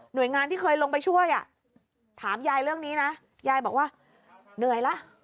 โดยงานที่เคยลงไปช่วยอ่ะถามยายเรื่องนี้นะยายบอกว่าเหนื่อยละ